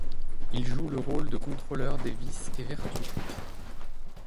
Ils jouent le rôle de contrôleurs des vices et vertus.